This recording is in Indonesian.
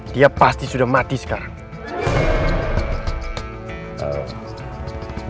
dia pasti sudah mati sekarang